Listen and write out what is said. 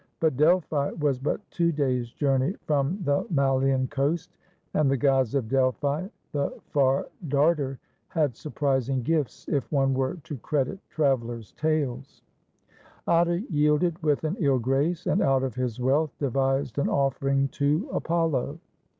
But Delphi was but two days' journey from the Malian 94 THE LEMNIAN: A STORY OF THERMOPYL^ coast, and the gods of Delphi, the Far Darter, had sur prising gifts, if one were to credit travelers' tales. Atta yielded with an ill grace, and out of his wealth devised an offering to Apollo.